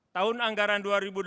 tahun anggaran dua ribu delapan belas